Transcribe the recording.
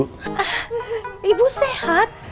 ah ibu sehat